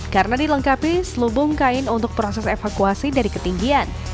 karena dilengkapi selubung kain untuk proses evakuasi dari ketinggian